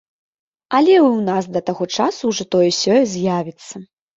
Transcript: Але і ў нас да гэтага часу ўжо сёе-тое з'явіцца.